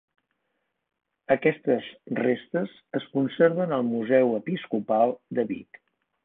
Aquestes restes es conserven al Museu Episcopal de Vic.